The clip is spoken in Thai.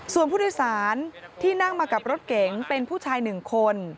ส่วนผู้โดยสารที่นั่งมากับรถเก๋งเป็นผู้ชาย๑คน